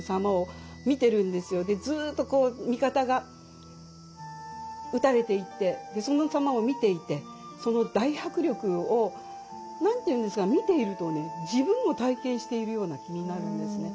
ずっとこう味方が討たれていってその様を見ていてその大迫力を何て言うんですか見ているとね自分も体験しているような気になるんですね。